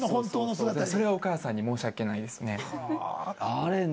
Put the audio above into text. それはお母さんに申し訳ないですね。